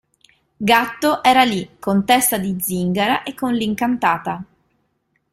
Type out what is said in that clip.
Gatto era lì, con "Testa di zingara" e con "L'incantata".